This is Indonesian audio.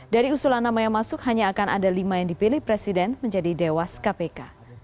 dari usulan nama yang masuk hanya akan ada lima yang dipilih presiden menjadi dewas kpk